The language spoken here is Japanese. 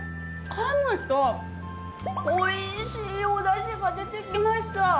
かむとおいしいおだしが出てきました。